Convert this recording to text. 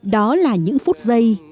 đó là những phút giây